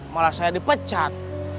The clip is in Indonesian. malah saya dipecat